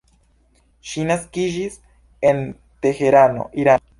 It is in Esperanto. Ŝi naskiĝis en Teherano, Irano.